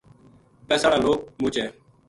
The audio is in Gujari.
پیسا ہالا لوک مچ ہے۔